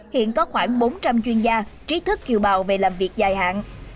hiện có khoảng bốn trăm linh chuyên gia trí thức kiều bào về làm việc dài hạn